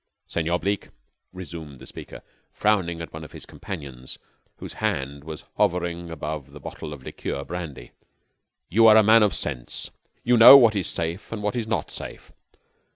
"Senor Bleke," resumed the speaker, frowning at one of his companions whose hand was hovering above the bottle of liqueur brandy, "you are a man of sense. You know what is safe and what is not safe.